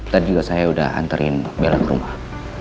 tadi saya juga sudah hantarkan bella ke rumah